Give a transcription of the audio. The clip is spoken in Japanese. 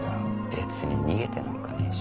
別に逃げてなんかねえし。